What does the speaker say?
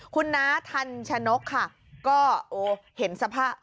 คุณน้าทันชนกค่ะก็โอ้เห็นสภาพ